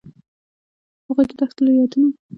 هغوی د دښته له یادونو سره راتلونکی جوړولو هیله لرله.